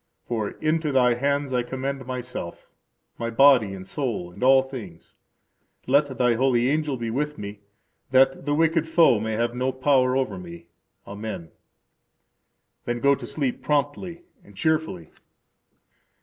For into Thy hands I commend myself, my body and soul, and all things. Let Thy holy angel be with me, that the Wicked Foe may have no power over me. Amen. Then go to sleep promptly and cheerfully.